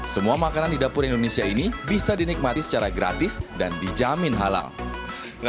semua makanan di dapur indonesia ini bisa dinikmati secara gratis dan dijamin halal